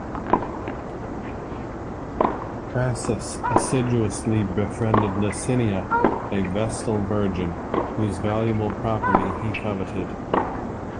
Crassus assiduously befriended Licinia, a Vestal Virgin, whose valuable property he coveted.